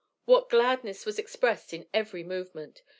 What gladness was expressed in every movement!